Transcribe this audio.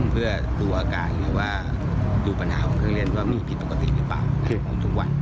เพื่อดูปัญหาของเครื่องเล่นว่ามีผิดปกติหรือเปล่าทุกวัน